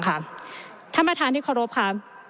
ท่านประธานที่เคารพค่ะ